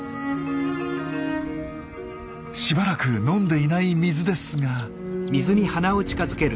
しばらく飲んでいない水ですが。